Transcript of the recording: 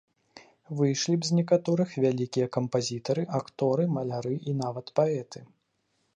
Выйшлі б з некаторых вялікія кампазітары, акторы, маляры і нават паэты.